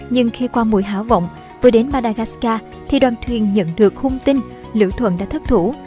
nhưng khi qua mùi háo vọng vừa đến madagascar thì đoàn thuyền nhận được thông tin lữ thuận đã thất thủ